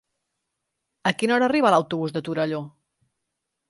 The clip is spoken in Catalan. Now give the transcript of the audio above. A quina hora arriba l'autobús de Torelló?